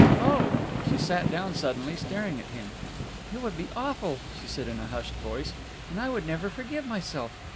Oh," she sat down suddenly, staring at him, "it would be awful," she said in a hushed voice, "and I would never forgive myself.